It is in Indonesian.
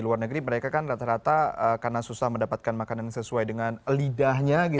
luar negeri mereka kan rata rata karena susah mendapatkan makanan yang sesuai dengan lidahnya